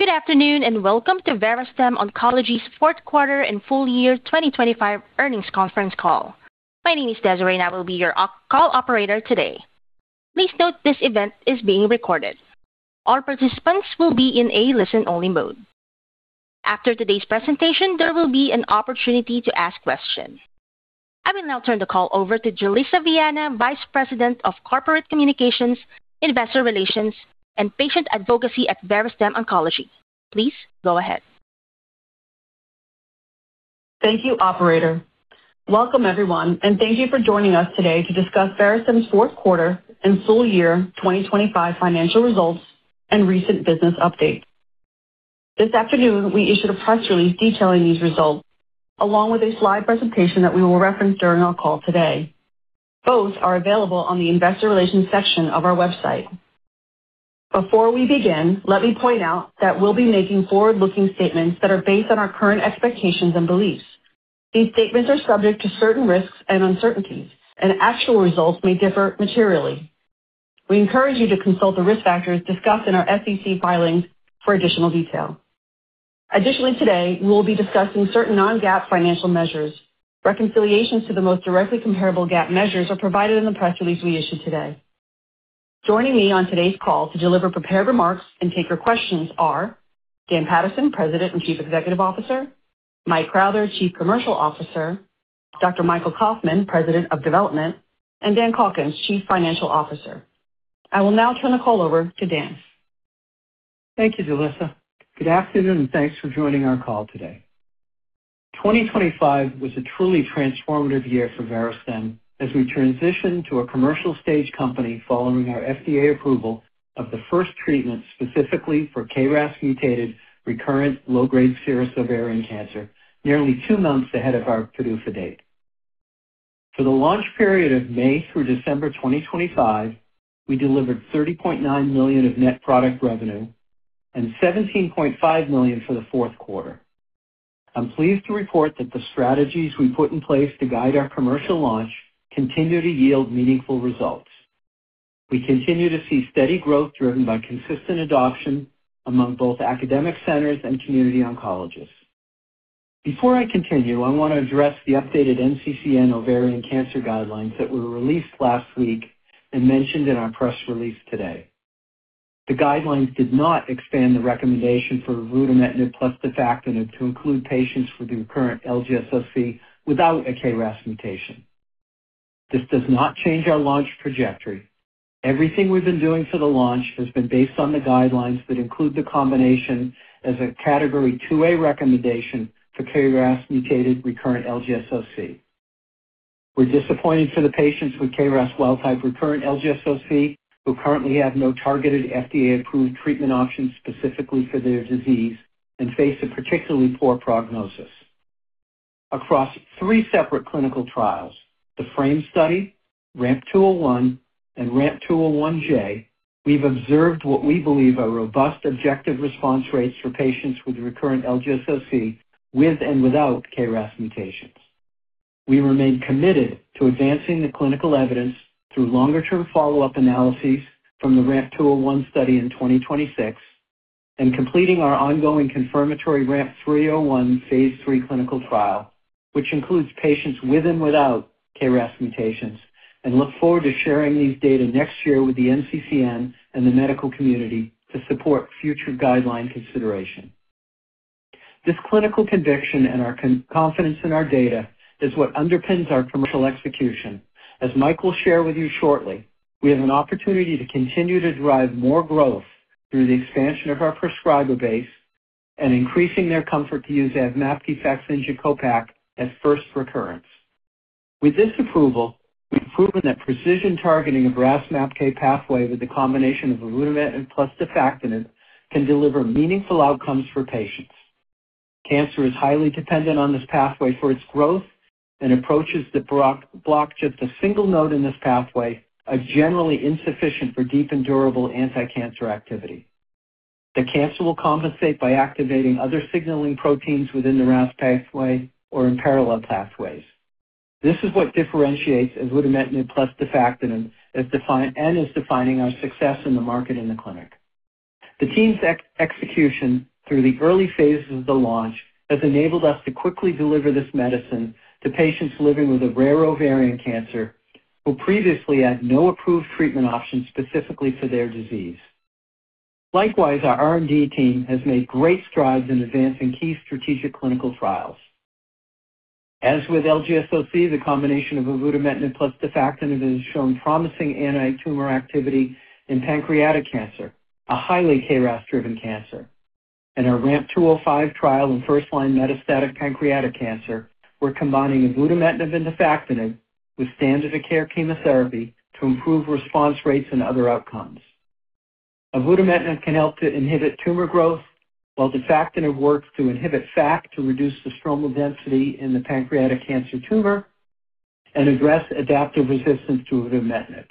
Good afternoon, welcome to Verastem Oncology's fourth quarter and full year 2025 earnings conference call. My name is Desiree, I will be your call operator today. Please note this event is being recorded. All participants will be in a listen-only mode. After today's presentation, there will be an opportunity to ask questions. I will now turn the call over to Julissa Viana, Vice President of Corporate Communications, Investor Relations, and Patient Advocacy at Verastem Oncology. Please go ahead. Thank you, operator. Welcome, everyone, thank you for joining us today to discuss Verastem's fourth quarter and full year 2025 financial results and recent business updates. This afternoon, we issued a press release detailing these results along with a slide presentation that we will reference during our call today. Both are available on the investor relations section of our website. Before we begin, let me point out that we'll be making forward-looking statements that are based on our current expectations and beliefs. These statements are subject to certain risks and uncertainties, and actual results may differ materially. We encourage you to consult the risk factors discussed in our SEC filings for additional detail. Additionally, today, we will be discussing certain non-GAAP financial measures. Reconciliations to the most directly comparable GAAP measures are provided in the press release we issued today. Joining me on today's call to deliver prepared remarks and take your questions are Dan Paterson, President and Chief Executive Officer, Mike Crowther, Chief Commercial Officer, Dr. Michael Kauffman, President of Development, and Dan Calkins, Chief Financial Officer. I will now turn the call over to Dan. Thank you, Julissa. Good afternoon, and thanks for joining our call today. 2025 was a truly transformative year for Verastem as we transitioned to a commercial stage company following our FDA approval of the first treatment specifically for KRAS-mutated recurrent low-grade serous ovarian cancer, nearly two months ahead of our PDUFA date. For the launch period of May through December 2025, we delivered $30.9 million of net product revenue and $17.5 million for the fourth quarter. I'm pleased to report that the strategies we put in place to guide our commercial launch continue to yield meaningful results. We continue to see steady growth driven by consistent adoption among both academic centers and community oncologists. Before I continue, I want to address the updated NCCN Ovarian Cancer Guidelines that were released last week and mentioned in our press release today. The guidelines did not expand the recommendation for avutometinib plus defactinib to include patients with recurrent LGSOC without a KRAS mutation. This does not change our launch trajectory. Everything we've been doing for the launch has been based on the guidelines that include the combination as a Category 2A recommendation for KRAS-mutated recurrent LGSOC. We're disappointed for the patients with KRAS wild-type recurrent LGSOC who currently have no targeted FDA-approved treatment options specifically for their disease and face a particularly poor prognosis. Across three separate clinical trials, the FRAME study, RAMP 201 and RAMP 201J, we've observed what we believe are robust objective response rates for patients with recurrent LGSOC with and without KRAS mutations. We remain committed to advancing the clinical evidence through longer-term follow-up analyses from the RAMP 201 study in 2026 and completing our ongoing confirmatory RAMP 301 phase III clinical trial, which includes patients with and without KRAS mutations, and look forward to sharing these data next year with the NCCN and the medical community to support future guideline consideration. This clinical conviction and our confidence in our data is what underpins our commercial execution. As Mike will share with you shortly, we have an opportunity to continue to drive more growth through the expansion of our prescriber base and increasing their comfort to use avutometinib in CO-PACK as first recurrence. With this approval, we've proven that precision targeting of RAS/MAPK pathway with the combination of avutometinib plus defactinib can deliver meaningful outcomes for patients. Cancer is highly dependent on this pathway for its growth, approaches that block just a single node in this pathway are generally insufficient for deep and durable anticancer activity. The cancer will compensate by activating other signaling proteins within the RAS pathway or in parallel pathways. This is what differentiates avutometinib plus defactinib is defining our success in the market in the clinic. The team's execution through the early phases of the launch has enabled us to quickly deliver this medicine to patients living with a rare ovarian cancer who previously had no approved treatment options specifically for their disease. Likewise, our R&D team has made great strides in advancing key strategic clinical trials. As with LGSOC, the combination of avutometinib plus defactinib has shown promising anti-tumor activity in pancreatic cancer, a highly KRAS-driven cancer. In our RAMP 205 trial in first-line metastatic pancreatic cancer, we're combining avutometinib and defactinib with standard of care chemotherapy to improve response rates and other outcomes. Avutometinib can help to inhibit tumor growth while defactinib works to inhibit FAK to reduce the stromal density in the pancreatic cancer tumor and address adaptive resistance to avutometinib.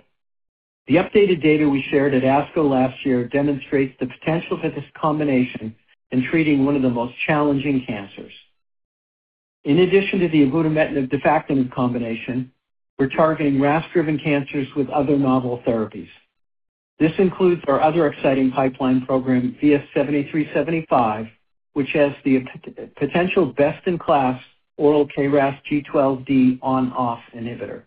The updated data we shared at ASCO last year demonstrates the potential for this combination in treating one of the most challenging cancers. In addition to the avutometinib defactinib combination, we're targeting RAS-driven cancers with other novel therapies. This includes our other exciting pipeline program, VS-7375, which has the potential best-in-class oral KRAS G12D (ON/OFF) inhibitor.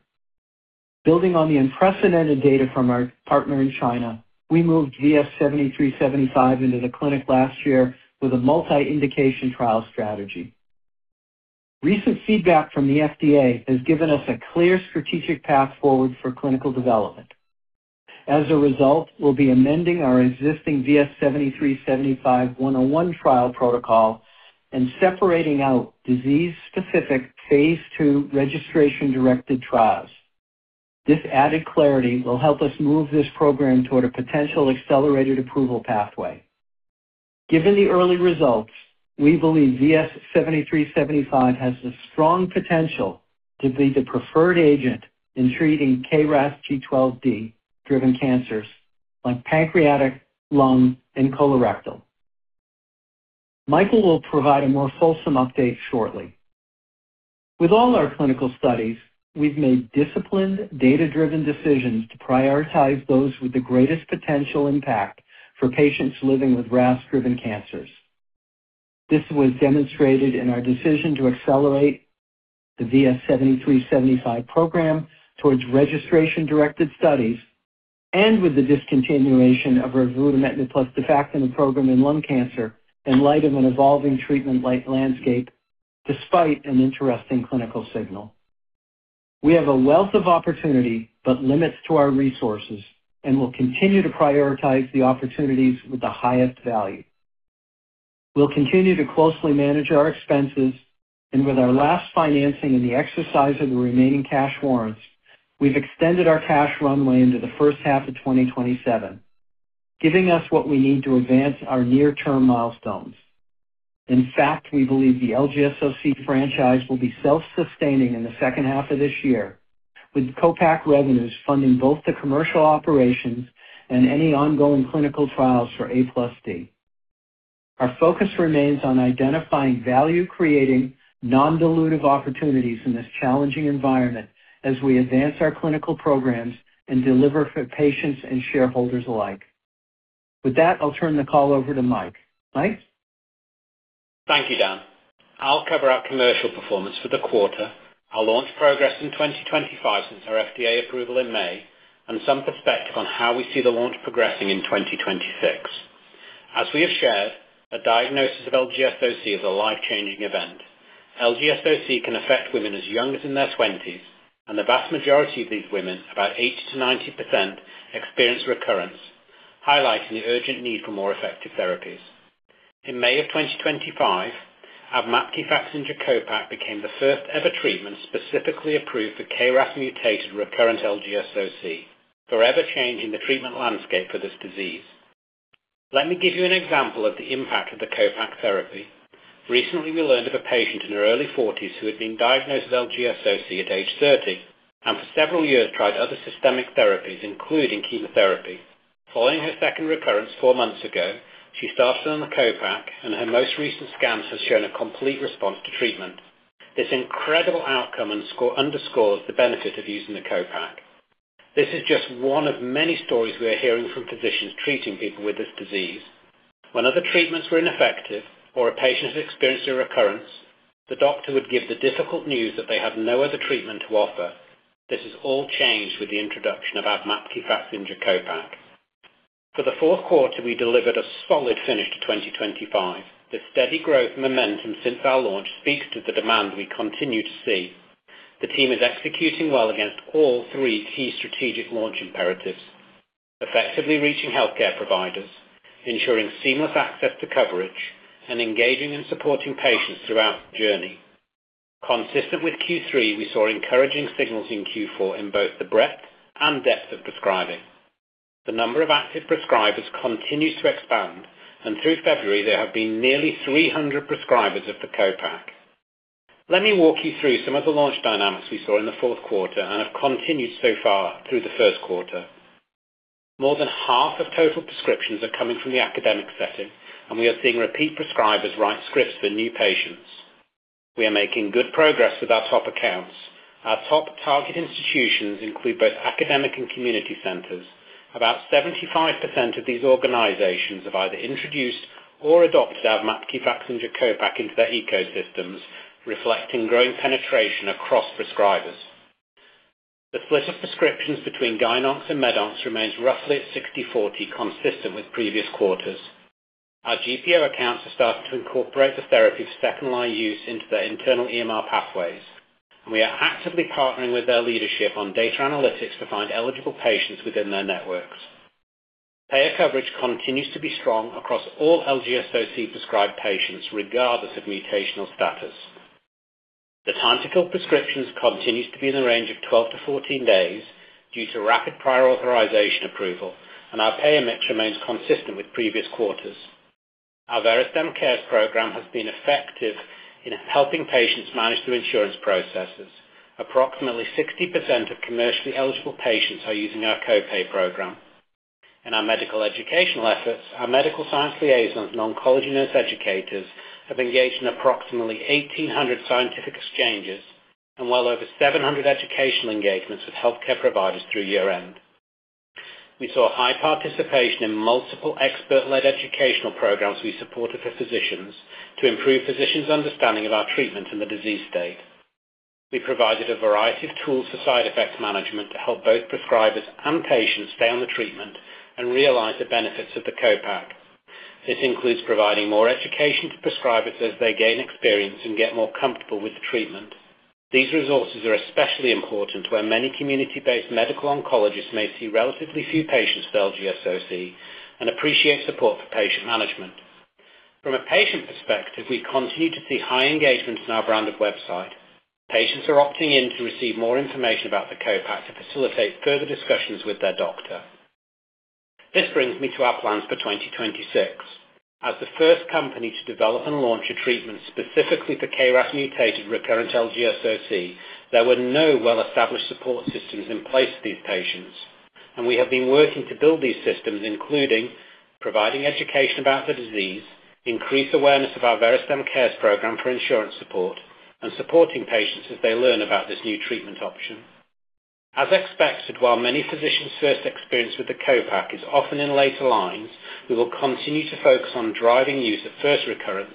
Building on the unprecedented data from our partner in China, we moved VS-7375 into the clinic last year with a multi-indication trial strategy. Recent feedback from the FDA has given us a clear strategic path forward for clinical development. As a result, we'll be amending our existing VS-7375-101 trial protocol and separating out disease-specific phase II registration-directed trials. This added clarity will help us move this program toward a potential accelerated approval pathway. Given the early results, we believe VS-7375 has the strong potential to be the preferred agent in treating KRAS G12D-driven cancers like pancreatic, lung, and colorectal. Michael will provide a more fulsome update shortly. With all our clinical studies, we've made disciplined, data-driven decisions to prioritize those with the greatest potential impact for patients living with RAS-driven cancers. This was demonstrated in our decision to accelerate the VS-7375 program towards registration-directed studies and with the discontinuation of our avutometinib plus defactinib program in lung cancer in light of an evolving treatment landscape, despite an interesting clinical signal. We have a wealth of opportunity but limits to our resources. We'll continue to prioritize the opportunities with the highest value. We'll continue to closely manage our expenses. With our last financing and the exercise of the remaining cash warrants, we've extended our cash runway into the first half of 2027, giving us what we need to advance our near-term milestones. In fact, we believe the LGSOC franchise will be self-sustaining in the second half of this year, with CO-PACK revenues funding both the commercial operations and any ongoing clinical trials for A plus D. Our focus remains on identifying value-creating, non-dilutive opportunities in this challenging environment as we advance our clinical programs and deliver for patients and shareholders alike. With that, I'll turn the call over to Mike. Mike? Thank you, Dan. I'll cover our commercial performance for the quarter, our launch progress in 2025 since our FDA approval in May, and some perspective on how we see the launch progressing in 2026. As we have shared, a diagnosis of LGSOC is a life-changing event. LGSOC can affect women as young as in their 20s, and the vast majority of these women, about 80%-90%, experience recurrence, highlighting the urgent need for more effective therapies. In May of 2025, AVMAPKI FAKZYNJA CO-PACK became the first-ever treatment specifically approved for KRAS-mutated recurrent LGSOC, forever changing the treatment landscape for this disease. Let me give you an example of the impact of the CO-PACK therapy. Recently, we learned of a patient in her early forties who had been diagnosed with LGSOC at age 30 and for several years tried other systemic therapies, including chemotherapy. Following her second recurrence four months ago, she started on the CO-PACK, and her most recent scans have shown a complete response to treatment. This incredible outcome and score underscores the benefit of using the CO-PACK. This is just one of many stories we are hearing from physicians treating people with this disease. When other treatments were ineffective or a patient has experienced a recurrence, the doctor would give the difficult news that they have no other treatment to offer. This has all changed with the introduction of AVMAPKI FAKZYNJA CO-PACK. For the fourth quarter, we delivered a solid finish to 2025. The steady growth and momentum since our launch speaks to the demand we continue to see. The team is executing well against all three key strategic launch imperatives, effectively reaching healthcare providers, ensuring seamless access to coverage, and engaging and supporting patients throughout the journey. Consistent with Q3, we saw encouraging signals in Q4 in both the breadth and depth of prescribing. The number of active prescribers continues to expand, and through February, there have been nearly 300 prescribers of the CO-PACK. Let me walk you through some of the launch dynamics we saw in the fourth quarter and have continued so far through the first quarter. More than half of total prescriptions are coming from the academic setting, and we are seeing repeat prescribers write scripts for new patients. We are making good progress with our top accounts. Our top target institutions include both academic and community centers. About 75% of these organizations have either introduced or adopted AVMAPKI FAKZYNJA CO-PACK into their ecosystems, reflecting growing penetration across prescribers. The split of prescriptions between GynOncs and MedOncs remains roughly at 60/40, consistent with previous quarters. Our GPO accounts are starting to incorporate the therapy for second-line use into their internal EMR pathways. We are actively partnering with their leadership on data analytics to find eligible patients within their networks. Payer coverage continues to be strong across all LGSOC-prescribed patients, regardless of mutational status. The time to kill prescriptions continues to be in the range of 12-14 days due to rapid prior authorization approval, and our payer mix remains consistent with previous quarters. Our Verastem Cares program has been effective in helping patients manage their insurance processes. Approximately 60% of commercially eligible patients are using our co-pay program. In our medical educational efforts, our medical science liaisons and oncology nurse educators have engaged in approximately 1,800 scientific exchanges and well over 700 educational engagements with healthcare providers through year-end. We saw high participation in multiple expert-led educational programs we supported for physicians to improve physicians' understanding of our treatment in the disease state. We provided a variety of tools for side effects management to help both prescribers and patients stay on the treatment and realize the benefits of the CO-PACK. This includes providing more education to prescribers as they gain experience and get more comfortable with the treatment. These resources are especially important where many community-based medical oncologists may see relatively few patients with LGSOC and appreciate support for patient management. From a patient perspective, we continue to see high engagement in our branded website. Patients are opting in to receive more information about the CO-PACK to facilitate further discussions with their doctor. This brings me to our plans for 2026. As the first company to develop and launch a treatment specifically for KRAS-mutated recurrent LGSOC, there were no well-established support systems in place for these patients, and we have been working to build these systems, including providing education about the disease, increase awareness of our Verastem Cares program for insurance support, and supporting patients as they learn about this new treatment option. As expected, while many physicians' first experience with the CO-PACK is often in later lines, we will continue to focus on driving use at first recurrence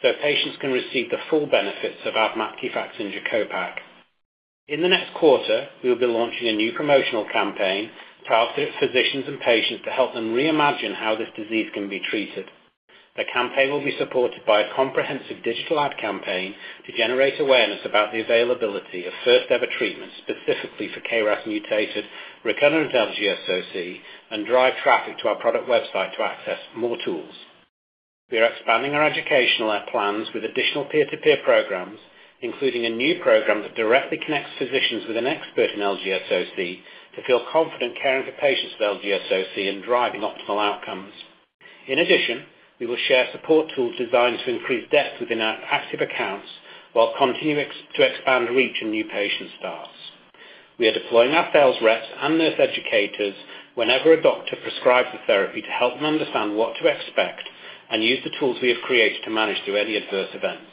so patients can receive the full benefits of AVMAPKI FAKZYNJA CO-PACK. In the next quarter, we will be launching a new promotional campaign to help physicians and patients reimagine how this disease can be treated. The campaign will be supported by a comprehensive digital ad campaign to generate awareness about the availability of first-ever treatment specifically for KRAS-mutated recurrent LGSOC and drive traffic to our product website to access more tools. We are expanding our educational plans with additional peer-to-peer programs, including a new program that directly connects physicians with an expert in LGSOC to feel confident caring for patients with LGSOC and driving optimal outcomes. We will share support tools designed to increase depth within our active accounts while continuing to expand reach in new patient starts. We are deploying our sales reps and nurse educators whenever a doctor prescribes the therapy to help them understand what to expect and use the tools we have created to manage through any adverse events.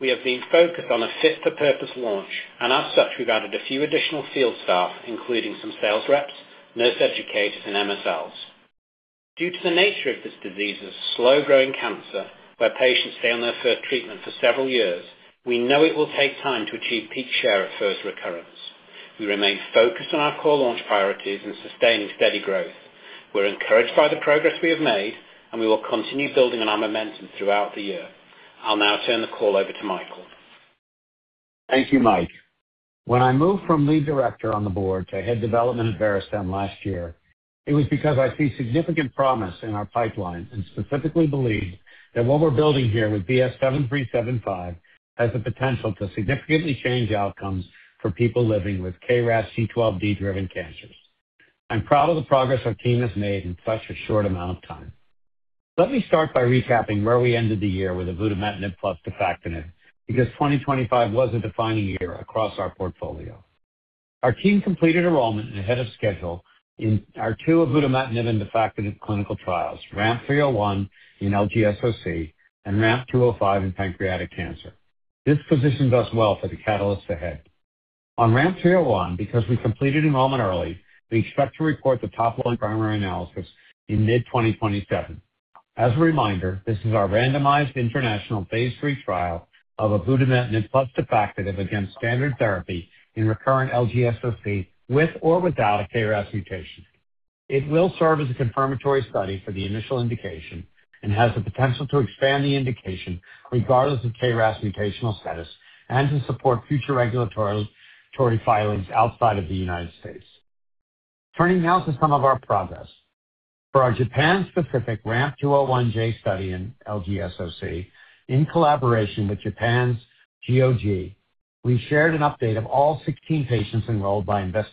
We have been focused on a fit for purpose launch and as such, we've added a few additional field staff, including some sales reps, nurse educators, and MSLs. Due to the nature of this disease as a slow-growing cancer, where patients stay on their first treatment for several years, we know it will take time to achieve peak share at first recurrence. We remain focused on our core launch priorities and sustaining steady growth. We're encouraged by the progress we have made, and we will continue building on our momentum throughout the year. I'll now turn the call over to Michael. Thank you, Mike. When I moved from Lead Director on the Board to head Development at Verastem last year, it was because I see significant promise in our pipeline and specifically believe that what we're building here with VS-7375 has the potential to significantly change outcomes for people living with KRAS G12D-driven cancers. I'm proud of the progress our team has made in such a short amount of time. Let me start by recapping where we ended the year with avutometinib plus defactinib, because 2025 was a defining year across our portfolio. Our team completed enrollment ahead of schedule in our two avutometinib and defactinib clinical trials, RAMP 301 in LGSOC and RAMP 205 in pancreatic cancer. This positions us well for the catalyst ahead. On RAMP 301, because we completed enrollment early, we expect to report the top-line primary analysis in mid-2027. As a reminder, this is our randomized international phase III trial of avutometinib plus defactinib against standard therapy in recurrent LGSOC with or without a KRAS mutation. It will serve as a confirmatory study for the initial indication and has the potential to expand the indication regardless of KRAS mutational status and to support future regulatory filings outside of the United States. Turning now to some of our progress. For our Japan-specific RAMP 201J study in LGSOC, in collaboration with Japan's GOG, we shared an update of all 16 patients enrolled by investigator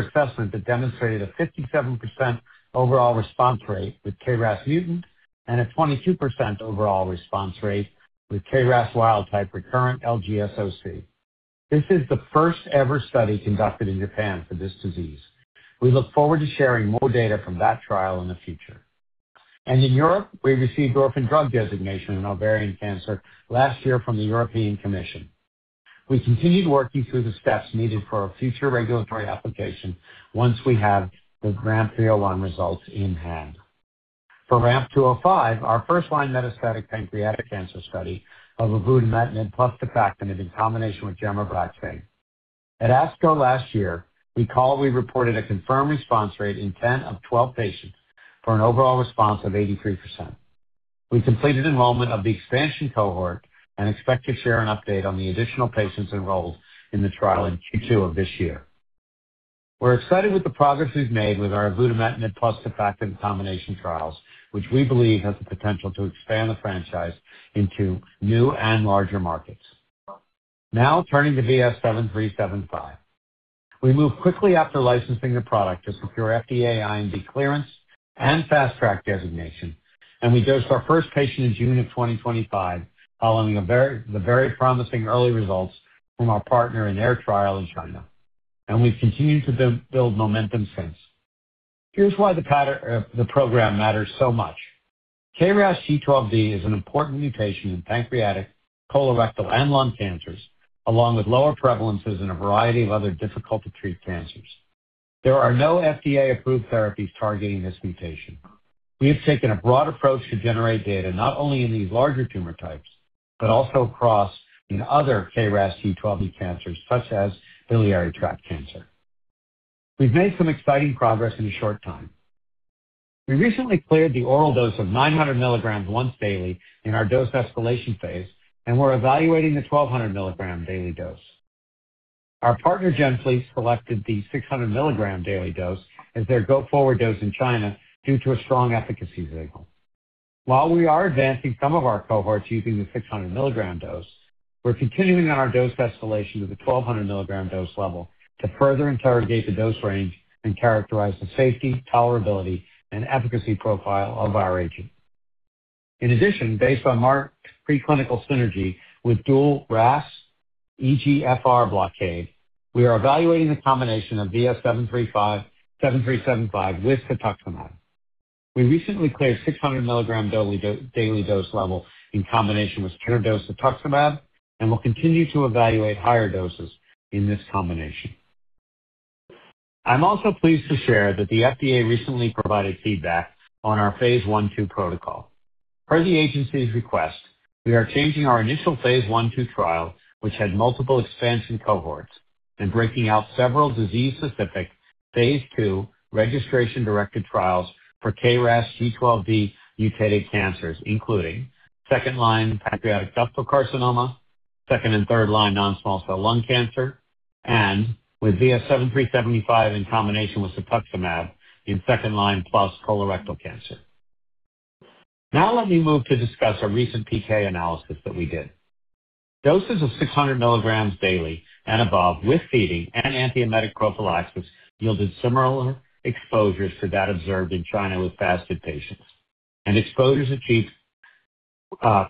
assessment that demonstrated a 57% overall response rate with KRAS mutant and a 22% overall response rate with KRAS wild-type recurrent LGSOC. This is the first-ever study conducted in Japan for this disease. We look forward to sharing more data from that trial in the future. In Europe, we received orphan drug designation in ovarian cancer last year from the European Commission. We continued working through the steps needed for a future regulatory application once we have the RAMP 301 results in hand. For RAMP 205, our first-line metastatic pancreatic cancer study of avutometinib plus defactinib in combination with gemcitabine. At ASCO last year, recall we reported a confirmed response rate in 10 of 12 patients for an overall response of 83%. We completed enrollment of the expansion cohort and expect to share an update on the additional patients enrolled in the trial in Q2 of this year. We're excited with the progress we've made with our avutometinib plus defactinib combination trials, which we believe have the potential to expand the franchise into new and larger markets. Now turning to VS-7375. We moved quickly after licensing the product to secure FDA IND clearance. Fast Track designation. We dosed our first patient in June of 2025 following the very promising early results from our partner in their trial in China. We've continued to build momentum since. Here's why the program matters so much. KRAS G12V is an important mutation in pancreatic, colorectal, and lung cancers, along with lower prevalences in a variety of other difficult to treat cancers. There are no FDA-approved therapies targeting this mutation. We have taken a broad approach to generate data not only in these larger tumor types, but also across, in other KRAS G12V cancers such as biliary tract cancer. We've made some exciting progress in a short time. We recently cleared the oral dose of 900 mg once daily in our dose escalation phase, and we're evaluating the 1,200 mg daily dose. Our partner, GenFleet, selected the 600 mg daily dose as their go-forward dose in China due to a strong efficacy signal. While we are advancing some of our cohorts using the 600 mg dose, we're continuing our dose escalation to the 1,200 mg dose level to further interrogate the dose range and characterize the safety, tolerability, and efficacy profile of our agent. Based on our preclinical synergy with dual RAS EGFR blockade, we are evaluating the combination of VS-7375 with cetuximab. We recently cleared 600 mg daily dose level in combination with standard dose cetuximab and will continue to evaluate higher doses in this combination. I'm also pleased to share that the FDA recently provided feedback on our phase I/II protocol. Per the agency's request, we are changing our initial phase I/II trial, which had multiple expansion cohorts and breaking out several disease-specific phase II registration-directed trials for KRAS G12V mutated cancers, including second-line pancreatic ductal carcinoma, second and third-line non-small cell lung cancer, and with VS-7375 in combination with cetuximab in second-line plus colorectal cancer. Let me move to discuss a recent PK analysis that we did. Doses of 600 mg daily and above with feeding and antiemetic prophylaxis yielded similar exposures for that observed in China with fasted patients, and exposures achieved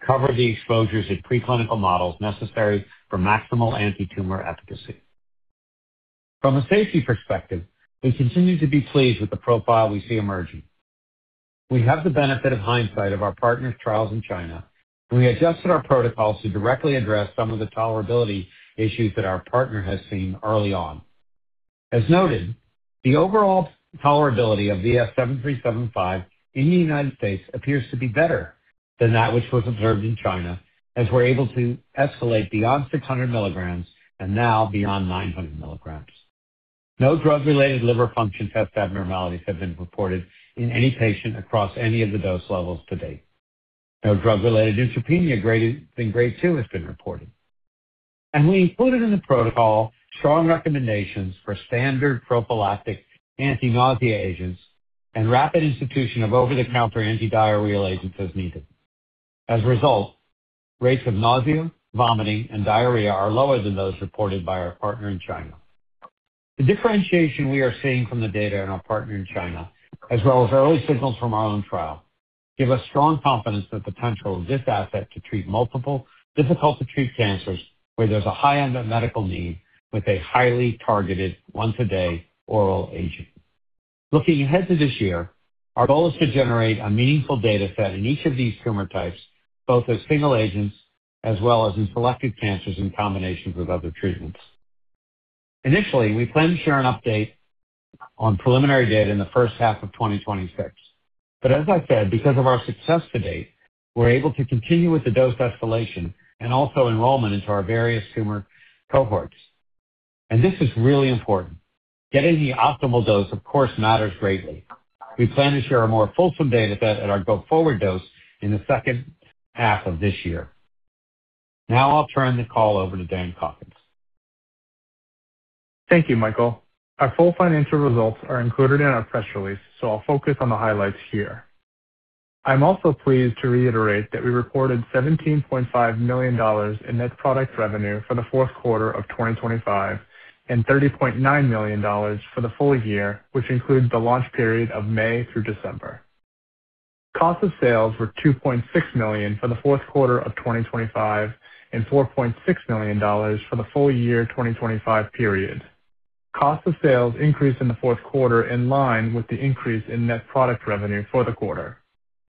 cover the exposures in preclinical models necessary for maximal antitumor efficacy. From a safety perspective, we continue to be pleased with the profile we see emerging. We have the benefit of hindsight of our partners' trials in China. We adjusted our protocols to directly address some of the tolerability issues that our partner has seen early on. As noted, the overall tolerability of VS-7375 in the United States appears to be better than that which was observed in China, as we're able to escalate beyond 600 mg and now beyond 900 mg. No drug-related liver function test abnormalities have been reported in any patient across any of the dose levels to date. No drug-related neutropenia graded than Grade 2 has been reported. We included in the protocol strong recommendations for standard prophylactic anti-nausea agents and rapid institution of over-the-counter antidiarrheal agents as needed. As a result, rates of nausea, vomiting, and diarrhea are lower than those reported by our partner in China. The differentiation we are seeing from the data in our partner in China, as well as early signals from our own trial, give us strong confidence in the potential of this asset to treat multiple difficult to treat cancers where there's a high unmet medical need with a highly targeted once-a-day oral agent. Looking ahead to this year, our goal is to generate a meaningful data set in each of these tumor types, both as single agents as well as in selected cancers in combinations with other treatments. Initially, we plan to share an update on preliminary data in the first half of 2026, but as I said, because of our success to date, we're able to continue with the dose escalation and also enrollment into our various tumor cohorts. This is really important. Getting the optimal dose, of course, matters greatly. We plan to share a more fulsome data set at our go-forward dose in the second half of this year. Now I'll turn the call over to Dan Calkins. Thank you, Michael. Our full financial results are included in our press release. I'll focus on the highlights here. I'm also pleased to reiterate that we reported $17.5 million in net product revenue for the fourth quarter of 2025 and $30.9 million for the full year, which includes the launch period of May through December. Cost of sales were $2.6 million for the fourth quarter of 2025 and $4.6 million for the full year 2025 period. Cost of sales increased in the fourth quarter in line with the increase in net product revenue for the quarter.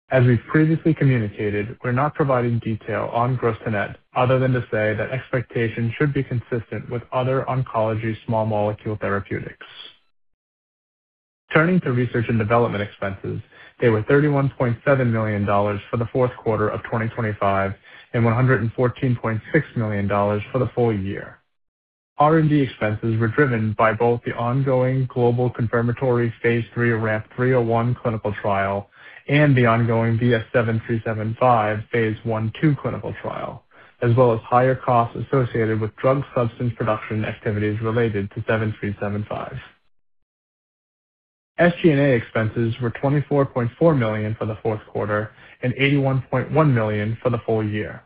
As we've previously communicated, we're not providing detail on gross to net other than to say that expectations should be consistent with other oncology small molecule therapeutics. Turning to research and development expenses, they were $31.7 million for the fourth quarter of 2025 and $114.6 million for the full year. R&D expenses were driven by both the ongoing global confirmatory phase III RAMP 301 clinical trial and the ongoing VS-7375 phase I/II clinical trial, as well as higher costs associated with drug substance production activities related to VS-7375. SG&A expenses were $24.4 million for the fourth quarter and $81.1 million for the full year.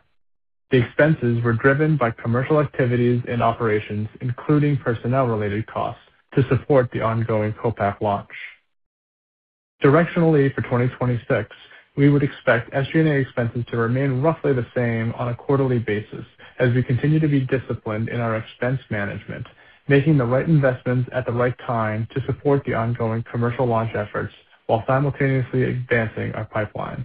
The expenses were driven by commercial activities and operations, including personnel-related costs to support the ongoing CO-PACK launch. Directionally for 2026, we would expect SG&A expenses to remain roughly the same on a quarterly basis as we continue to be disciplined in our expense management, making the right investments at the right time to support the ongoing commercial launch efforts while simultaneously advancing our pipeline.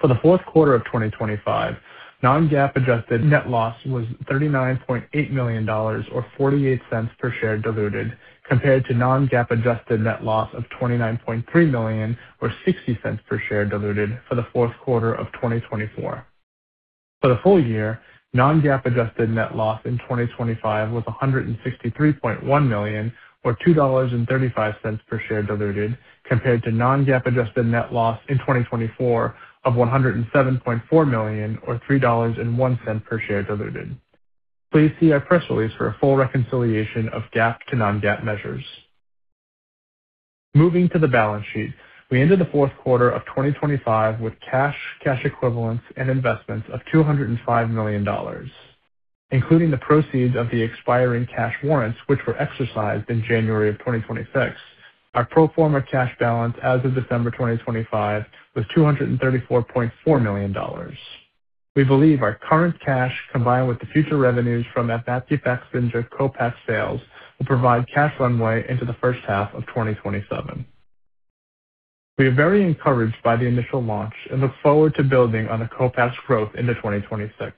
For the fourth quarter of 2025, non-GAAP adjusted net loss was $39.8 million or $0.48 per share diluted, compared to non-GAAP adjusted net loss of $29.3 million or $0.60 per share diluted for the fourth quarter of 2024. For the full year, non-GAAP adjusted net loss in 2025 was $163.1 million or $2.35 per share diluted, compared to non-GAAP adjusted net loss in 2024 of $107.4 million or $3.01 per share diluted. Please see our press release for a full reconciliation of GAAP to non-GAAP measures. Moving to the balance sheet. We ended the fourth quarter of 2025 with cash equivalents and investments of $205 million, including the proceeds of the expiring cash warrants, which were exercised in January of 2026. Our pro forma cash balance as of December 2025 was $234.4 million. We believe our current cash, combined with the future revenues from AVMAPKI FAKZYNJA CO-PACK sales, will provide cash runway into the first half of 2027. We are very encouraged by the initial launch and look forward to building on the CO-PACK growth into 2026.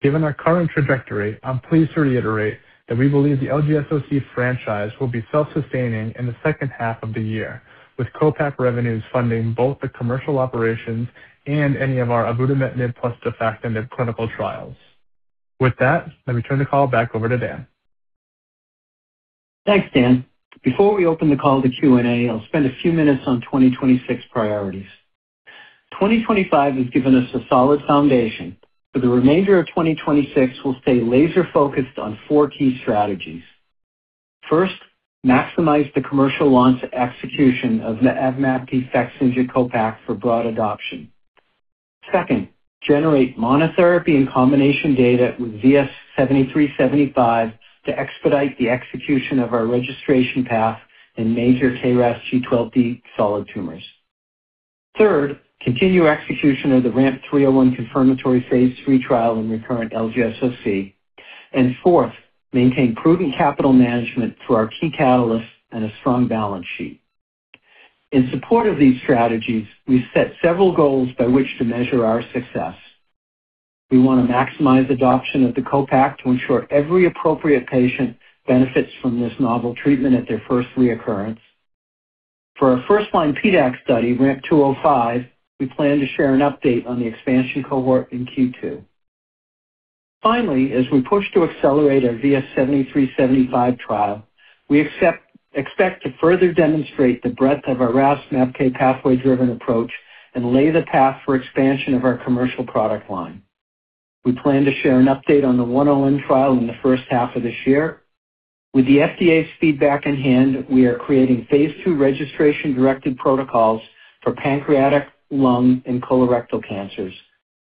Given our current trajectory, I'm pleased to reiterate that we believe the LGSOC franchise will be self-sustaining in the second half of the year, with CO-PACK revenues funding both the commercial operations and any of our avutometinib plus defactinib clinical trials. With that, let me turn the call back over to Dan. Thanks, Dan. Before we open the call to Q&A, I'll spend a few minutes on 2026 priorities. 2025 has given us a solid foundation. For the remainder of 2026, we'll stay laser focused on four key strategies. First, maximize the commercial launch execution of the AVMAPKI FAKZYNJA CO-PACK for broad adoption. Second, generate monotherapy and combination data with VS-7375 to expedite the execution of our registration path in major KRAS G12D solid tumors. Third, continue execution of the RAMP-301 confirmatory phase III trial in recurrent LGSOC. Fourth, maintain prudent capital management through our key catalysts and a strong balance sheet. In support of these strategies, we've set several goals by which to measure our success. We want to maximize adoption of the CO-PACK to ensure every appropriate patient benefits from this novel treatment at their first reoccurrence. For our first line PDAC study, RAMP-205, we plan to share an update on the expansion cohort in Q2. Finally, as we push to accelerate our VS-7375 trial, we expect to further demonstrate the breadth of our RAS/MAPK pathway driven approach and lay the path for expansion of our commercial product line. We plan to share an update on the 101 trial in the first half of this year. With the FDA's feedback in hand, we are creating phase II registration directed protocols for pancreatic, lung, and colorectal cancers.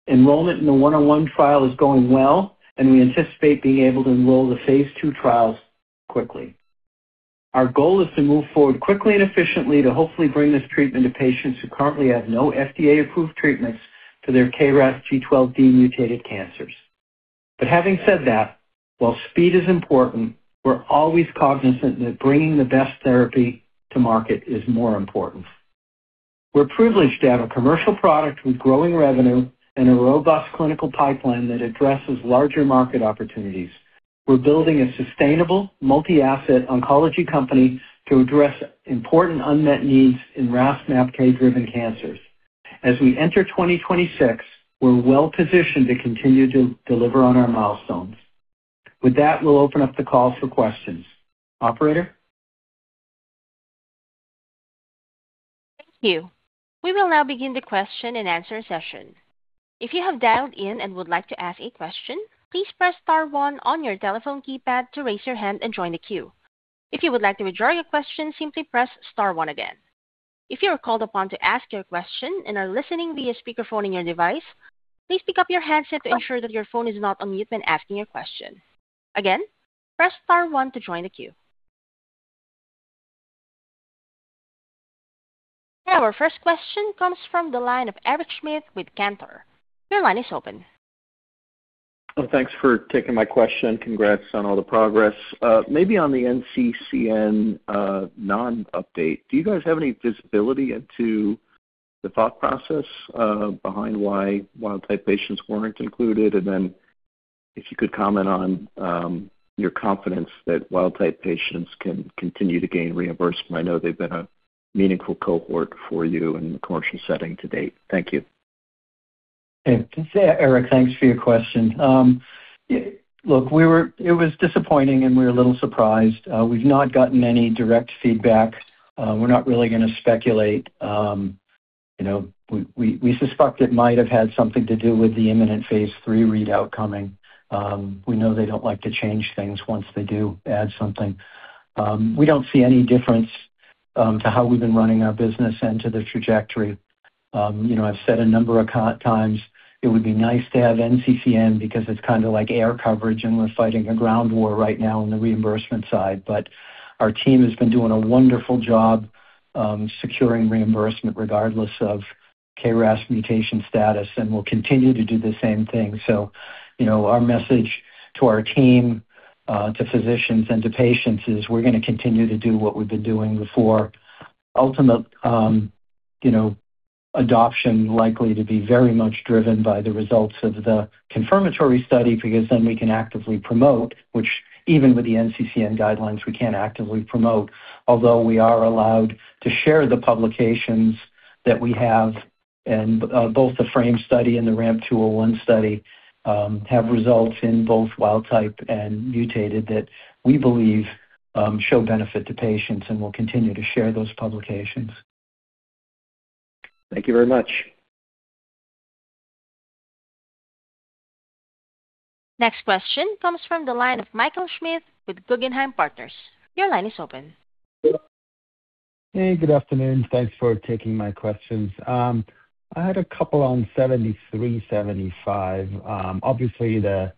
Enrollment in the 101 trial is going well, and we anticipate being able to enroll the phase II trials quickly. Our goal is to move forward quickly and efficiently to hopefully bring this treatment to patients who currently have no FDA-approved treatments for their KRAS G12D mutated cancers. Having said that, while speed is important, we're always cognizant that bringing the best therapy to market is more important. We're privileged to have a commercial product with growing revenue and a robust clinical pipeline that addresses larger market opportunities. We're building a sustainable multi-asset oncology company to address important unmet needs in RAS/MAPK driven cancers. As we enter 2026, we're well-positioned to continue to deliver on our milestones. With that, we'll open up the call for questions. Operator? Thank you. We will now begin the question and answer session. If you have dialed in and would like to ask a question, please press star one on your telephone keypad to raise your hand and join the queue. If you would like to withdraw your question, simply press star one again. If you are called upon to ask your question and are listening via speakerphone in your device, please pick up your handset to ensure that your phone is not on mute when asking a question. Again, press star one to join the queue. Our first question comes from the line of Eric Schmidt with Cantor. Your line is open. Thanks for taking my question. Congrats on all the progress. Maybe on the NCCN non-update, do you guys have any visibility into the thought process behind why wild-type patients weren't included? If you could comment on your confidence that wild-type patients can continue to gain reimbursement. I know they've been a meaningful cohort for you in the commercial setting to date. Thank you. Hey, Eric, thanks for your question. Look, it was disappointing, and we're a little surprised. We've not gotten any direct feedback. We're not really gonna speculate. You know, we suspect it might have had something to do with the imminent phase III readout coming. We know they don't like to change things once they do add something. We don't see any difference to how we've been running our business and to the trajectory. You know, I've said a number of times it would be nice to have NCCN because it's kind of like air coverage, and we're fighting a ground war right now on the reimbursement side. Our team has been doing a wonderful job securing reimbursement regardless of KRAS mutation status, and we'll continue to do the same thing. You know, our message to our team, to physicians and to patients is we're gonna continue to do what we've been doing before. Ultimate, you know, adoption likely to be very much driven by the results of the confirmatory study because then we can actively promote, which even with the NCCN guidelines, we can't actively promote. Although we are allowed to share the publications that we have. Both the FRAME study and the RAMP 201 study have results in both wild-type and mutated that we believe show benefit to patients and will continue to share those publications. Thank you very much. Next question comes from the line of Michael Schmidt with Guggenheim Partners. Your line is open. Hey, good afternoon. Thanks for taking my questions. I had a couple on VS-7375. Obviously, the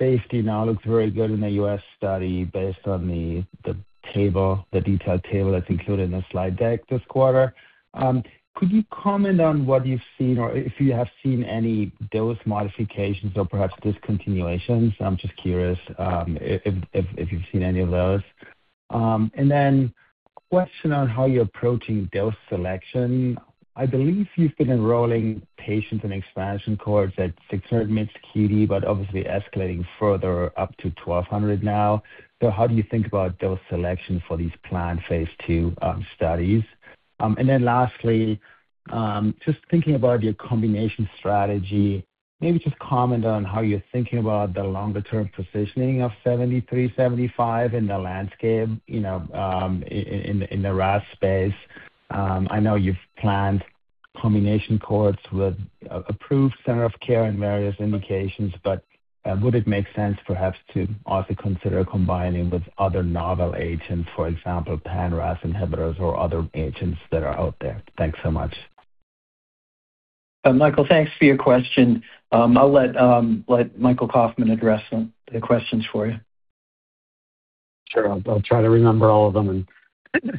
safety now looks very good in the U.S. study based on the table, the detailed table that's included in the slide deck this quarter. Could you comment on what you've seen or if you have seen any dose modifications or perhaps discontinuations? I'm just curious if you've seen any of those. Question on how you're approaching dose selection. I believe you've been enrolling patients in expansion cohorts at 600 mg QD, but obviously escalating further up to 1,200 mg now. How do you think about dose selection for these planned phase II studies? Lastly, just thinking about your combination strategy, maybe just comment on how you're thinking about the longer-term positioning of VS-7375 in the landscape, you know, in the RAS space. I know you've planned combination cohorts with approved center of care and various indications, would it make sense perhaps to also consider combining with other novel agents, for example, pan-RAS inhibitors or other agents that are out there? Thanks so much. Michael, thanks for your question. I'll let Michael Kauffman address the questions for you. Sure. I'll try to remember all of them.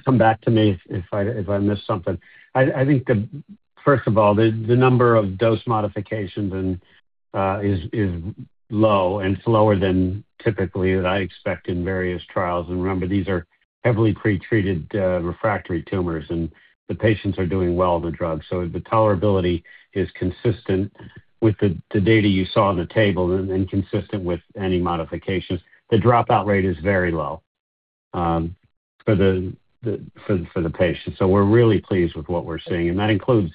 Come back to me if I miss something. I think the number of dose modifications and is low and slower than typically that I expect in various trials. Remember, these are heavily pretreated, refractory tumors, and the patients are doing well on the drug. The tolerability is consistent with the data you saw on the table and consistent with any modifications. The dropout rate is very low for the patient. We're really pleased with what we're seeing, and that includes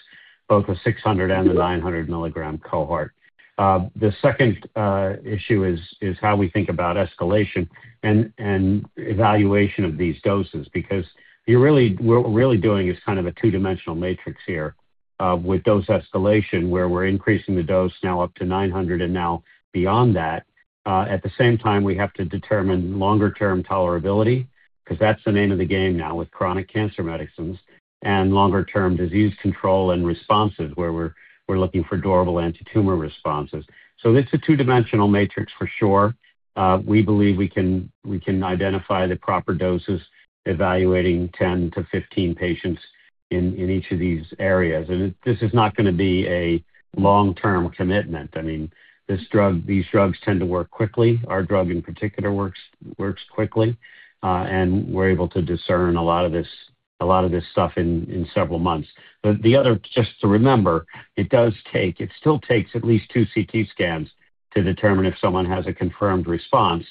both the 600 mg and the 900 mg cohort. The second issue is how we think about escalation and evaluation of these doses because what we're really doing is kind of a two-dimensional matrix here with dose escalation, where we're increasing the dose now up to 900 mg and now beyond that. At the same time, we have to determine longer-term tolerability because that's the name of the game now with chronic cancer medicines and longer-term disease control and responses where we're looking for durable antitumor responses. So it's a two-dimensional matrix for sure. We believe we can identify the proper doses evaluating 10-15 patients in each of these areas. This is not going to be a long-term commitment. I mean, these drugs tend to work quickly Our drug in particular works quickly, and we're able to discern a lot of this stuff in several months. The other, just to remember, it still takes at least two CT scans to determine if someone has a confirmed response,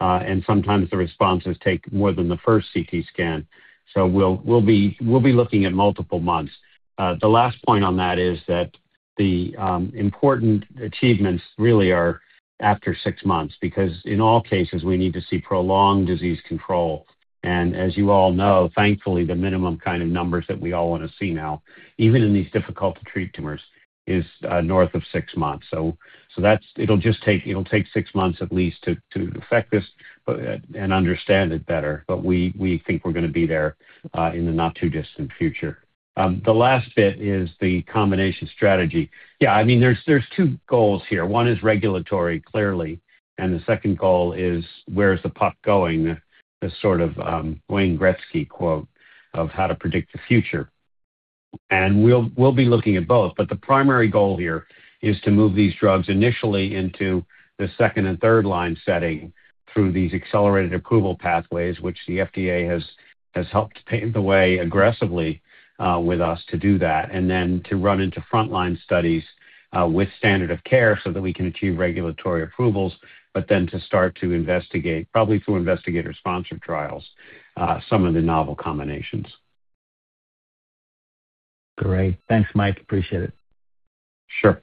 and sometimes the responses take more than the first CT scan, so we'll be looking at multiple months. The last point on that is that the important achievements really are after six months because in all cases we need to see prolonged disease control. As you all know, thankfully, the minimum kind of numbers that we all wanna see now, even in these difficult to treat tumors, is north of six months. That's... It'll just take six months at least to affect this but, and understand it better. We think we're gonna be there in the not-too-distant future. The last bit is the combination strategy. Yeah, I mean, there's two goals here. One is regulatory, clearly, and the second goal is where's the puck going? The sort of, Wayne Gretzky quote of how to predict the future. We'll be looking at both, but the primary goal here is to move these drugs initially into the second- and third-line setting through these accelerated approval pathways which the FDA has helped pave the way aggressively with us to do that. To run into frontline studies with standard of care so that we can achieve regulatory approvals, but then to start to investigate, probably through investigator-sponsored trials, some of the novel combinations. Great. Thanks, Mike. Appreciate it. Sure.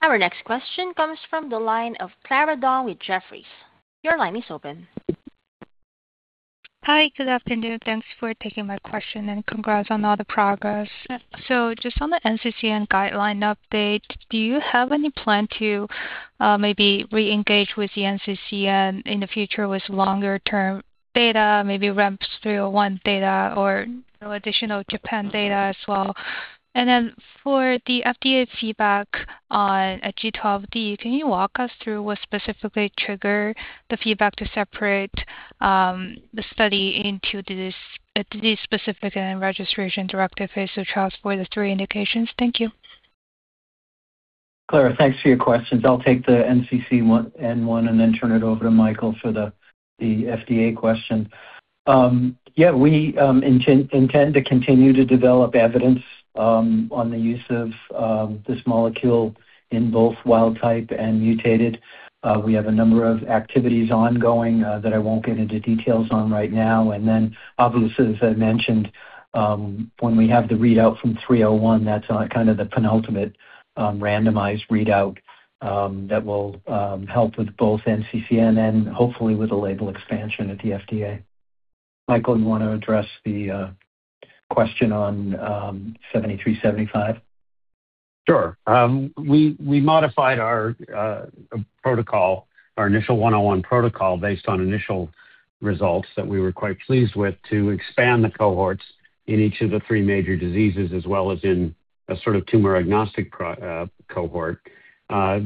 Our next question comes from the line of Clara Dong with Jefferies. Your line is open. Hi, good afternoon. Thanks for taking my question and congrats on all the progress. Just on the NCCN guideline update, do you have any plan to maybe re-engage with the NCCN in the future with longer-term data, maybe RAMP 301 data or additional Japan data as well? Then for the FDA feedback on G12D, can you walk us through what specifically trigger the feedback to separate the study into this disease-specific and registration directive phase II trials for the three indications? Thank you. Clara, thanks for your questions. I'll take the NCCN one and then turn it over to Michael for the FDA question. Yeah, we intend to continue to develop evidence on the use of this molecule in both wild type and mutated. We have a number of activities ongoing that I won't get into details on right now. Obviously, as I mentioned, when we have the readout from RAMP 301, that's kind of the penultimate randomized readout that will help with both NCCN and hopefully with a label expansion at the FDA. Michael, you want to address the question on 7375? Sure. We modified our protocol, our initial one-on-one protocol, based on initial results that we were quite pleased with to expand the cohorts in each of the three major diseases as well as in a sort of tumor agnostic cohort.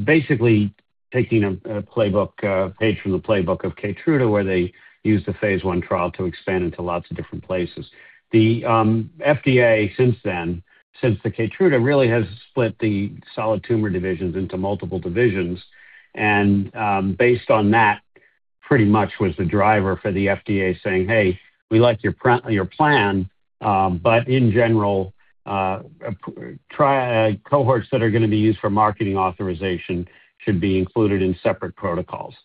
Basically taking a playbook page from the playbook of KEYTRUDA, where they use the phase I trial to expand into lots of different places. The FDA since then, since the KEYTRUDA, really has split the solid tumor divisions into multiple divisions. Based on that, pretty much was the driver for the FDA saying, "Hey, we like your plan, but in general, try cohorts that are going to be used for marketing authorization should be included in separate protocols."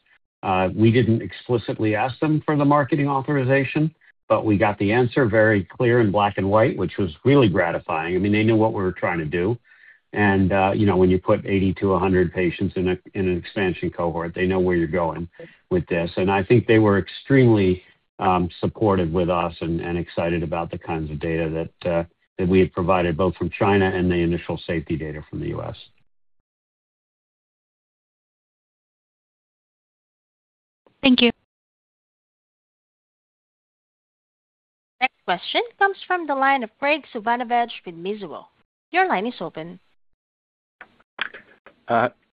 We didn't explicitly ask them for the marketing authorization, but we got the answer very clear in black and white, which was really gratifying. I mean, they knew what we were trying to do. You know, when you put 80-100 patients in an expansion cohort, they know where you're going with this. I think they were extremely supportive with us and excited about the kinds of data that we have provided both from China and the initial safety data from the U.S. Thank you. Next question comes from the line of Graig Suvannavejh with Mizuho. Your line is open.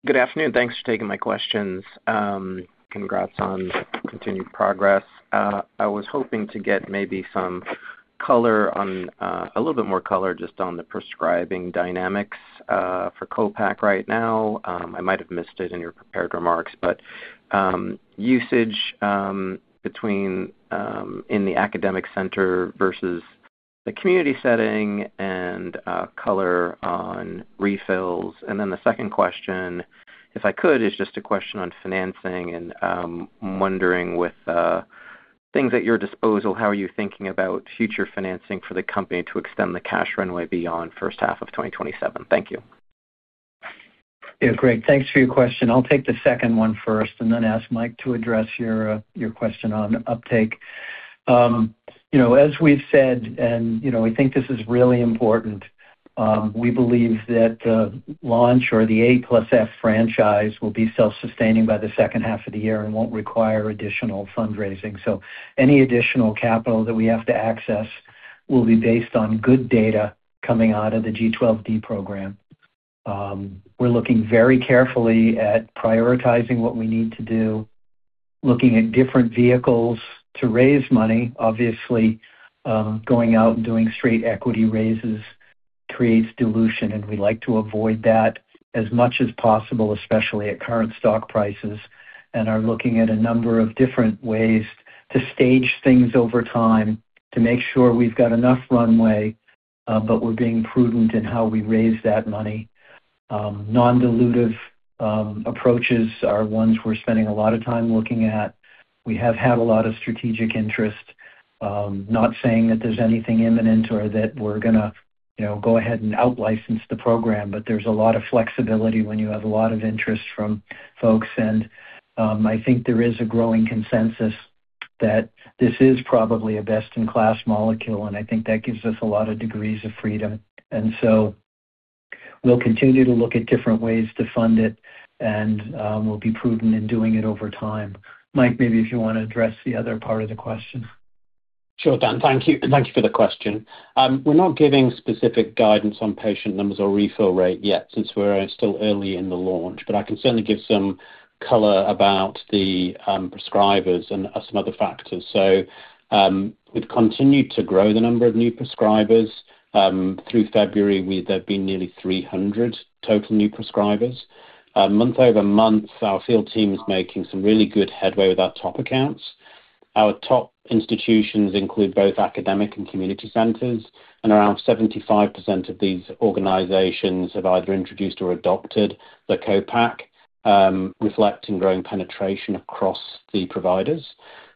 Good afternoon. Thanks for taking my questions. Congrats on continued progress. I was hoping to get maybe some color on a little bit more color just on the prescribing dynamics for CO-PACK right now. I might have missed it in your prepared remarks, but usage between in the academic center versus the community setting and color on refills. The second question, if I could, is just a question on financing and wondering with things at your disposal, how are you thinking about future financing for the company to extend the cash runway beyond first half of 2027? Thank you. Yeah, great. Thanks for your question. I'll take the second one first and then ask Mike to address your question on uptake. you know, as we've said, and, you know, we think this is really important, we believe that the launch or the A plus F franchise will be self-sustaining by the second half of the year and won't require additional fundraising. Any additional capital that we have to access will be based on good data coming out of the G12D program. We're looking very carefully at prioritizing what we need to do, looking at different vehicles to raise money. Obviously, going out and doing straight equity raises creates dilution, and we like to avoid that as much as possible, especially at current stock prices, and are looking at a number of different ways to stage things over time to make sure we've got enough runway, but we're being prudent in how we raise that money. Non-dilutive approaches are ones we're spending a lot of time looking at. We have had a lot of strategic interest. Not saying that there's anything imminent or that we're gonna, you know, go ahead and out-license the program, but there's a lot of flexibility when you have a lot of interest from folks. I think there is a growing consensus that this is probably a best-in-class molecule, and I think that gives us a lot of degrees of freedom. We'll continue to look at different ways to fund it, and, we'll be prudent in doing it over time. Mike, maybe if you want to address the other part of the question. Sure, Dan. Thank you. Thank you for the question. We're not giving specific guidance on patient numbers or refill rate yet since we're still early in the launch, but I can certainly give some color about the prescribers and some other factors. We've continued to grow the number of new prescribers. Through February, there have been nearly 300 total new prescribers. Month-over-month, our field team is making some really good headway with our top accounts. Our top institutions include both academic and community centers, and around 75% of these organizations have either introduced or adopted the CO-PACK, reflecting growing penetration across the providers.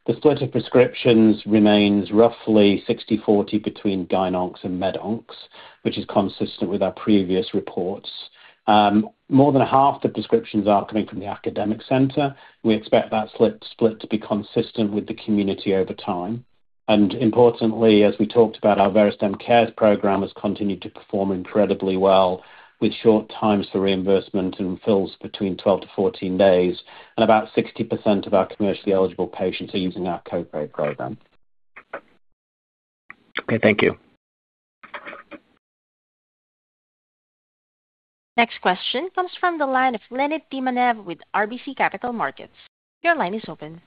The split of prescriptions remains roughly 60/40 between GynOncs and MedOncs, which is consistent with our previous reports. More than half the prescriptions are coming from the academic center. We expect that slip-split to be consistent with the community over time. Importantly, as we talked about, our Verastem Cares program has continued to perform incredibly well with short times for reimbursement and fills between 12-14 days. About 60% of our commercially eligible patients are using our co-pay program. Okay. Thank you. Next question comes from the line of Leonid Timashev with RBC Capital Markets. Your line is open.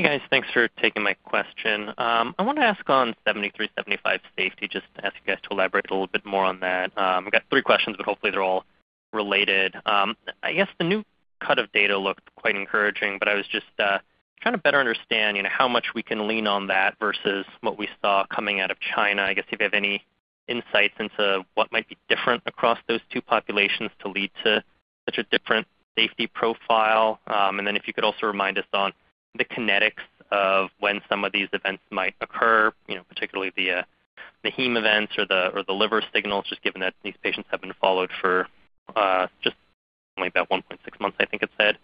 Hey, guys. Thanks for taking my question. I want to ask on VS-7375 safety, just ask you guys to elaborate a little bit more on that. I've got three questions, hopefully they're all related. I guess the new cut of data looked quite encouraging, I was just trying to better understand, you know, how much we can lean on that versus what we saw coming out of China. I guess if you have any insights into what might be different across those two populations to lead to such a different safety profile. If you could also remind us on the kinetics of when some of these events might occur, you know, particularly the heme events or the liver signals, just given that these patients have been followed for just only about 1.6 months, I think it said.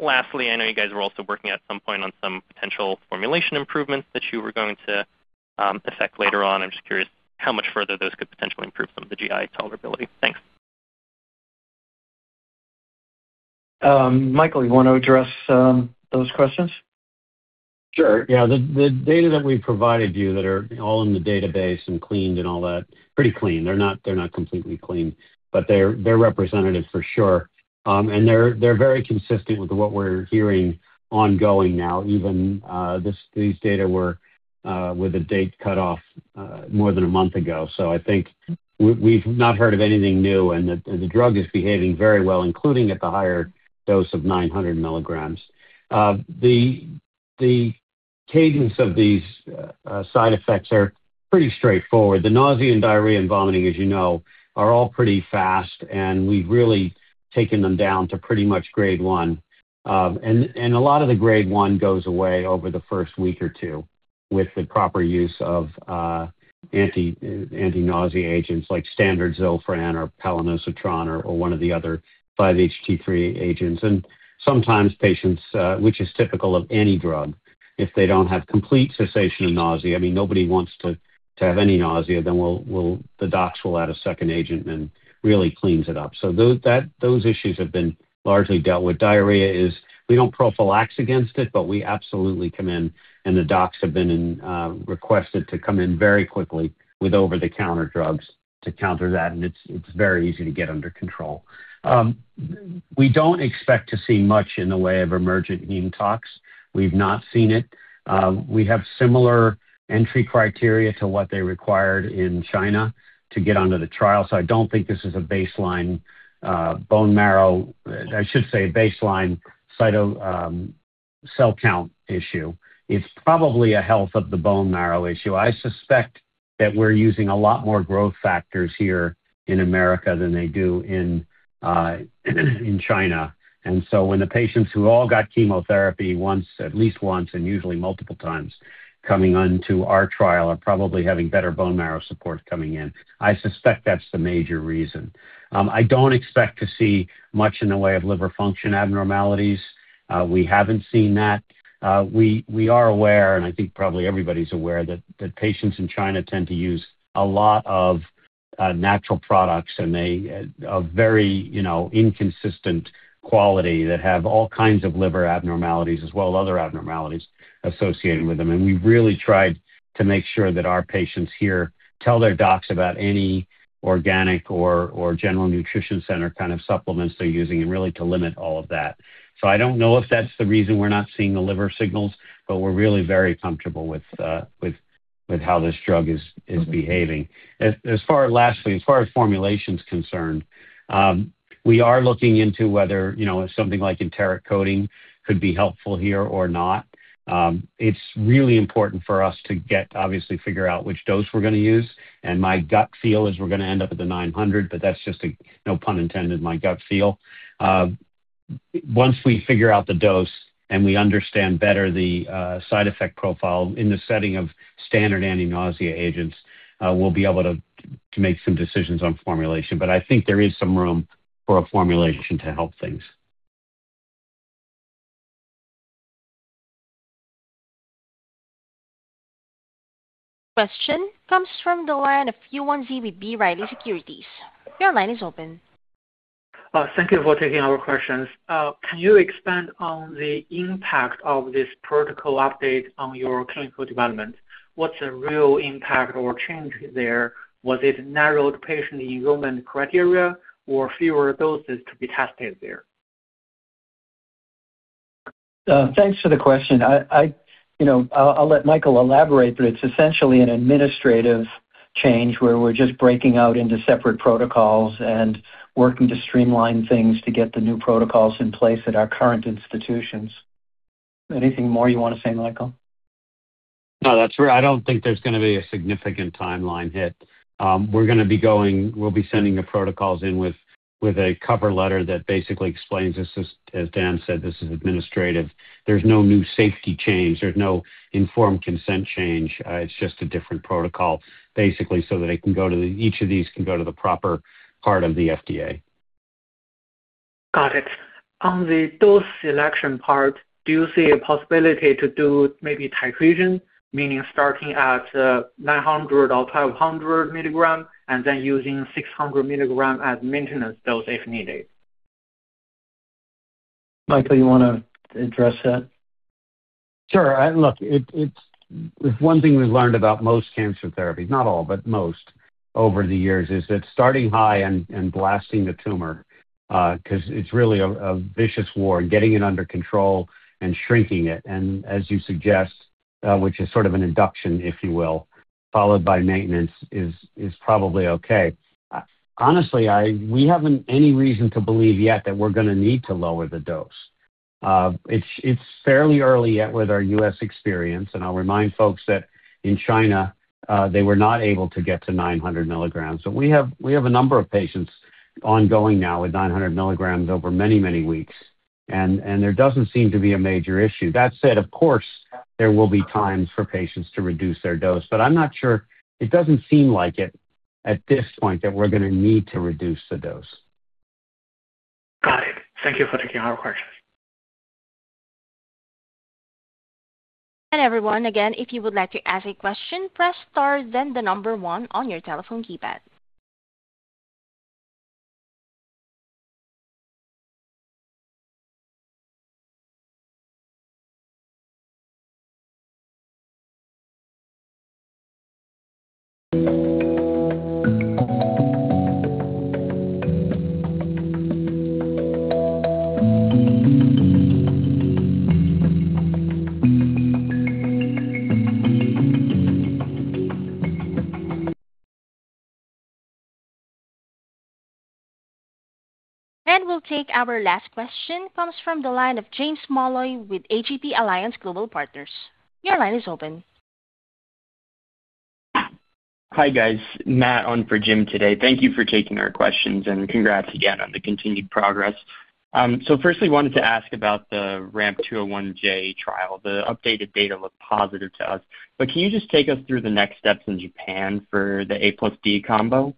Lastly, I know you guys were also working at some point on some potential formulation improvements that you were going to affect later on. I'm just curious how much further those could potentially improve from the GI tolerability. Thanks. Michael, you want to address those questions? Sure, yeah. The data that we provided you that are all in the database and cleaned and all that, pretty clean. They're not completely clean, but they're representative for sure. They're very consistent with what we're hearing ongoing now. Even these data were with a date cut off more than a month ago. I think we've not heard of anything new, and the drug is behaving very well, including at the higher dose of 900 mg. The cadence of these side effects are pretty straightforward. The nausea and diarrhea and vomiting, as you know, are all pretty fast, and we've really taken them down to pretty much Grade 1. A lot of the Grade 1 goes away over the first week or two with the proper use of anti-nausea agents like standard Zofran or palonosetron or one of the other 5-HT3 agents. Sometimes patients, which is typical of any drug, if they don't have complete cessation of nausea, I mean, nobody wants to have any nausea, then the docs will add a second agent and really cleans it up. Those issues have been largely dealt with. Diarrhea is, we don't prophylax against it, but we absolutely come in, and the docs have been requested to come in very quickly with over-the-counter drugs to counter that, and it's very easy to get under control. We don't expect to see much in the way of emergent heme tox. We've not seen it. We have similar entry criteria to what they required in China to get onto the trial, so I don't think this is a baseline, bone marrow, I should say baseline cyto, cell count issue. It's probably a health of the bone marrow issue. I suspect that we're using a lot more growth factors here in America than they do in China. When the patients who all got chemotherapy once, at least once, and usually multiple times coming onto our trial are probably having better bone marrow support coming in. I suspect that's the major reason. I don't expect to see much in the way of liver function abnormalities. We haven't seen that. We are aware, and I think probably everybody's aware that patients in China tend to use a lot of natural products, and they are very, you know, inconsistent quality that have all kinds of liver abnormalities as well, other abnormalities associated with them. We've really tried to make sure that our patients here tell their docs about any organic or general nutrition center kind of supplements they're using and really to limit all of that. I don't know if that's the reason we're not seeing the liver signals, but we're really very comfortable with how this drug is behaving. As far, lastly, as far as formulation's concerned, we are looking into whether, you know, something like enteric coating could be helpful here or not. It's really important for us to get, obviously, figure out which dose we're gonna use. My gut feel is we're gonna end up at the 900 mg, but that's just a, no pun intended, my gut feel. Once we figure out the dose and we understand better the side effect profile in the setting of standard anti-nausea agents, we'll be able to make some decisions on formulation. I think there is some room for a formulation to help things. Question comes from the line of Yuan Zhi, B. Riley Securities. Your line is open. Thank you for taking our questions. Can you expand on the impact of this protocol update on your clinical development? What's the real impact or change there? Was it narrowed patient enrollment criteria or fewer doses to be tested there? Thanks for the question. I, you know, I'll let Michael elaborate, but it's essentially an administrative change where we're just breaking out into separate protocols and working to streamline things to get the new protocols in place at our current institutions. Anything more you want to say, Michael? No, that's fair. I don't think there's gonna be a significant timeline hit. We'll be sending the protocols in with a cover letter that basically explains this is, as Dan said, this is administrative. There's no new safety change. There's no informed consent change. It's just a different protocol, basically, so that each of these can go to the proper part of the FDA. Got it. On the dose selection part, do you see a possibility to do maybe titration, meaning starting at, 900 mg or 1,200 mg and then using 600 mg as maintenance dose if needed? Michael, you wanna address that? Sure. Look, it's one thing we've learned about most cancer therapy, not all, but most over the years is that starting high and blasting the tumor, 'cause it's really a vicious war, getting it under control and shrinking it, and as you suggest, which is sort of an induction, if you will, followed by maintenance, is probably okay. Honestly, we haven't any reason to believe yet that we're gonna need to lower the dose. It's fairly early yet with our U.S. experience, and I'll remind folks that in China, they were not able to get to 900 mg. We have a number of patients ongoing now with 900 mg over many weeks. There doesn't seem to be a major issue. That said, of course, there will be times for patients to reduce their dose, but I'm not sure. It doesn't seem like it at this point that we're gonna need to reduce the dose. Got it. Thank you for taking our question. Everyone, again, if you would like to ask a question, press star then one on your telephone keypad. We'll take our last question. Comes from the line of James Molloy with Alliance Global Partners. Your line is open. Hi, guys. Matt on for Jim today. Thank you for taking our questions, and congrats again on the continued progress. Firstly, wanted to ask about the RAMP 201J trial. The updated data looked positive to us. Can you just take us through the next steps in Japan for the A plus D combo?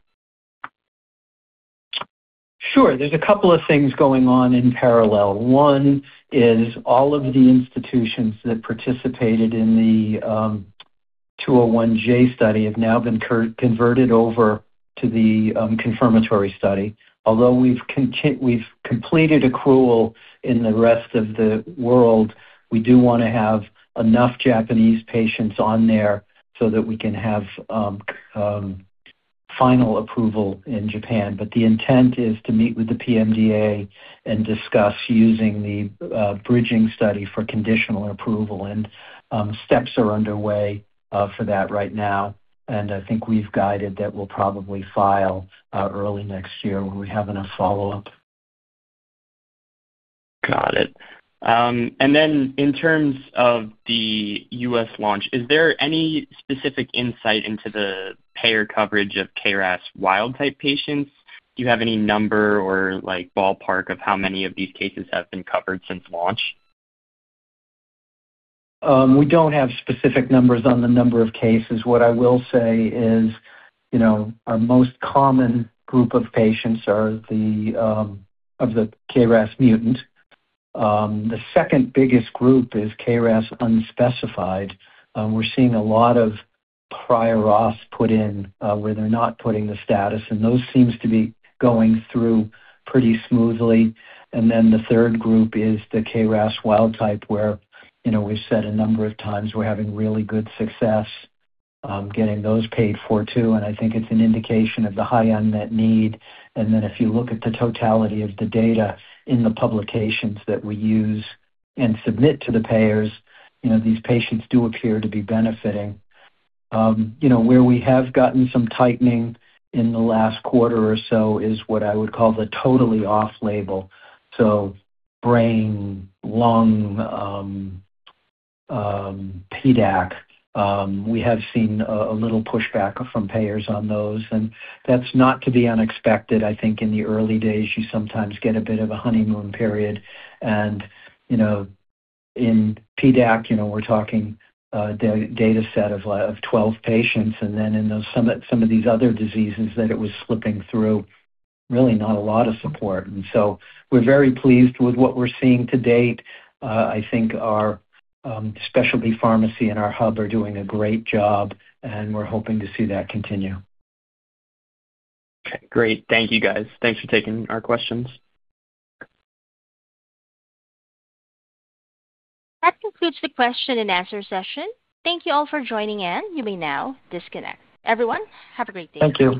Sure. There's a couple of things going on in parallel. One is all of the institutions that participated in the 201J study have now been converted over to the confirmatory study. Although we've completed accrual in the rest of the world, we do wanna have enough Japanese patients on there so that we can have final approval in Japan. The intent is to meet with the PMDA and discuss using the bridging study for conditional approval and steps are underway for that right now. I think we've guided that we'll probably file early next year when we have enough follow-up. Got it. In terms of the U.S. launch, is there any specific insight into the payer coverage of KRAS wild-type patients? Do you have any number or, like, ballpark of how many of these cases have been covered since launch? We don't have specific numbers on the number of cases. What I will say is, you know, our most common group of patients are the of the KRAS mutant. The second biggest group is KRAS unspecified. We're seeing a lot of prior ROS put in where they're not putting the status, and those seems to be going through pretty smoothly. The third group is the KRAS wild-type where, you know, we've said a number of times we're having really good success getting those paid for too, and I think it's an indication of the high unmet need. If you look at the totality of the data in the publications that we use and submit to the payers, you know, these patients do appear to be benefiting. You know, where we have gotten some tightening in the last quarter or so is what I would call the totally off-label, so brain, lung, PDAC, we have seen a little pushback from payers on those, and that's not to be unexpected. I think in the early days you sometimes get a bit of a honeymoon period and, you know, in PDAC, you know, we're talking a data set of 12 patients, and then in those, some of these other diseases that it was slipping through, really not a lot of support. So we're very pleased with what we're seeing to date. I think our specialty pharmacy and our hub are doing a great job, and we're hoping to see that continue. Okay. Great. Thank you, guys. Thanks for taking our questions. That concludes the question and answer session. Thank you all for joining in. You may now disconnect. Everyone, have a great day. Thank you.